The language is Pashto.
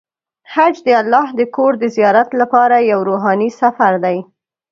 حج د الله د کور د زیارت لپاره یو روحاني سفر دی.